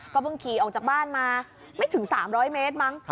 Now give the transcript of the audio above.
เพิ่งขี่ออกจากบ้านมาไม่ถึง๓๐๐เมตรมั้ง